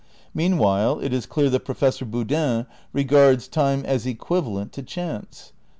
Meanwhile it is clear that Pro fessor Boodin regards time as equivalent to chance.